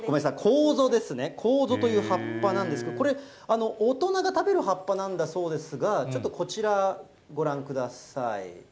こうぞ、こうぞという葉っぱなんですけど、これ、大人が食べる葉っぱなんだそうですが、ちょっとこちら、ご覧ください。